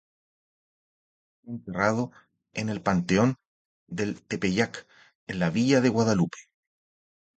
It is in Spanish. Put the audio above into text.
Fue enterrado en el Panteón del Tepeyac de la villa de Guadalupe.